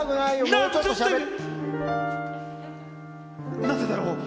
なぜだろう？